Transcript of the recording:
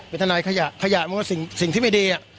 เป็นทนายขยะขยะมันก็สิ่งที่ไม่ดี